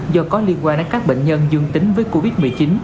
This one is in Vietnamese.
do có liên quan đến các bệnh nhân dương tính với covid một mươi chín